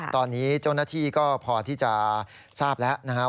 ตอนนี้เจ้าหน้าที่ก็พอที่จะทราบแล้วนะครับ